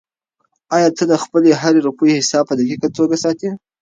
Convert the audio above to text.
آیا ته د خپلې هرې روپۍ حساب په دقیقه توګه ساتې؟